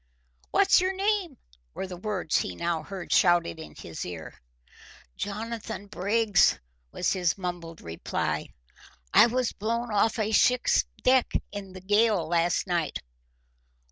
"What's your name?" were the words he now heard shouted in his ear. "Jonathan Briggs," was his mumbled reply. "I was blown off a ship's deck in the gale last night."